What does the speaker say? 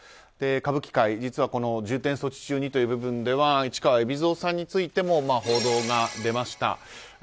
歌舞伎界、実は重点措置中にという部分では市川海老蔵さんについても報道が出ました。